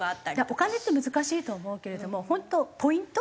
お金って難しいと思うけれども本当ポイント。